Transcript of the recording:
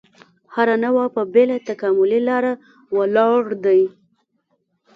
هره نوعه په بېله تکاملي لاره ولاړ دی.